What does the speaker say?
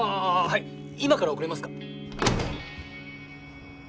はい今から送れますか？